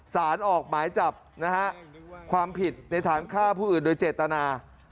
สารออกหมายจับนะฮะความผิดในฐานฆ่าผู้อื่นโดยเจตนา